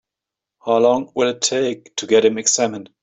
How long will it take to get him examined?